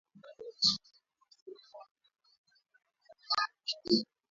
Uganda na Jamhuri ya Kidemokrasi ya Kongo Jumatano ziliongeza operesheni ya pamoja ya kijeshi